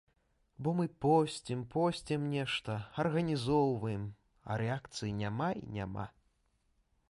Бо мы посцім-посцім нешта, арганізоўваем, а рэакцыі няма і няма.